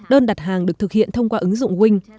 đơn đặt hàng được thực hiện thông qua ứng dụng wing